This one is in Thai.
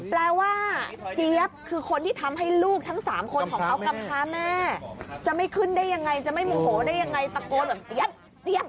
แปลว่าเจี๊ยบคือคนที่ทำให้ลูกทั้ง๓คนของเขากำพาแม่จะไม่ขึ้นได้ยังไงจะไม่โมโหได้ยังไงตะโกนแบบเจี๊ยบ